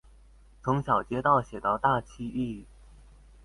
從小街道寫到大區域